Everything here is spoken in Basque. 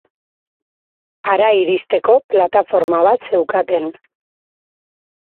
Hara iristeko plataforma bat zeukaten.